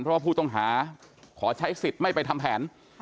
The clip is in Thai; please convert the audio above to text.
เพราะว่าผู้ต้องหาขอใช้สิทธิ์ไม่ไปทำแผน